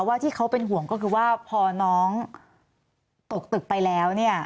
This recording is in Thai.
ว่าที่เขาเป็นห่วงก็คือว่าพอน้องตกตึกไปแล้วเนี่ย